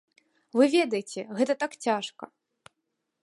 Вы ведаеце, гэта так цяжка.